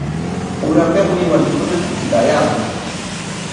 Urapikmi warmikuna kutiykaayaamun.